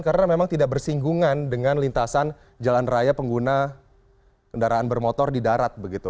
karena memang tidak bersinggungan dengan lintasan jalan raya pengguna kendaraan bermotor di darat begitu